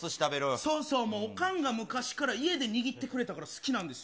そうそう、もう、おかんが昔から家で握ってくれたから好きなんですよ。